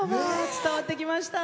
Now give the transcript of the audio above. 伝わってきました。